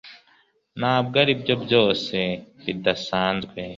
ntabwo aribyo byose bidasanzwe